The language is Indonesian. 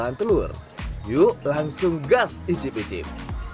dan paham telur yuk langsung gas icip icip